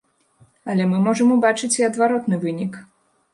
Але мы можам убачыць і адвароты вынік.